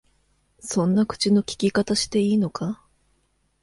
そんな口の利き方していいのか？